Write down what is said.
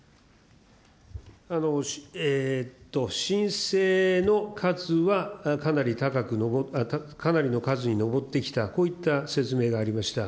申請の数はかなりの数に上ってきた、こういった説明がありました。